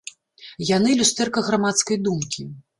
Яны люстэрка грамадскай думкі.